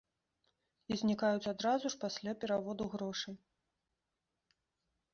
І знікаюць адразу ж пасля пераводу грошай.